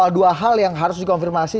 dua hal yang harus dikonfirmasi